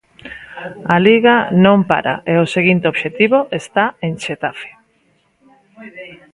A Liga non para e o seguinte obxectivo está en Xetafe.